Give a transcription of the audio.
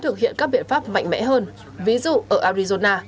đã bị mẻ hơn ví dụ ở arizona